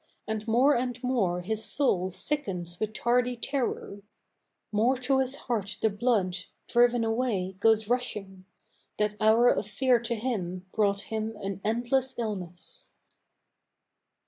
And more and more his soul sickens with tardy terror, More to his heart the blood, driven away, goes rushing; That hour of fear to him brought him an endless illness.